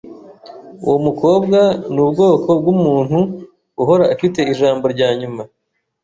Uwo mukobwa nubwoko bwumuntu uhora afite ijambo ryanyuma.